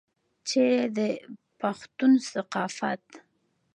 چې د پښتون ثقافت